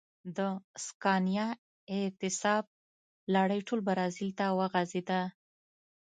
د سکانیا اعتصاب لړۍ ټول برازیل ته وغځېده.